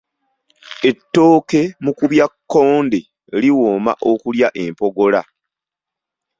Ettooke mukubyakkonde liwooma okulya empogola